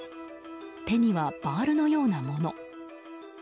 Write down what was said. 手にはバールのようなもの。